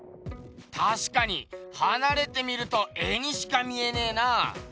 たしかにはなれて見ると絵にしか見えねえな。